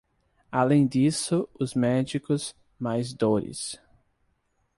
Além disso, os médicos, mais dores.